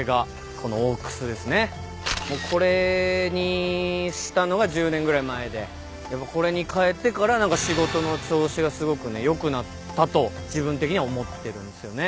これにしたのが１０年ぐらい前でこれに変えてから何か仕事の調子がすごくね良くなったと自分的には思ってるんすよね。